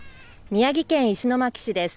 宮城県石巻市です。